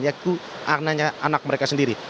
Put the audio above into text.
yaitu anak mereka sendiri